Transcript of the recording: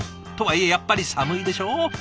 とはいえやっぱり寒いでしょう。